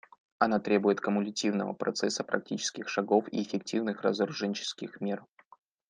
Она требует кумулятивного процесса практических шагов и эффективных разоруженческих мер.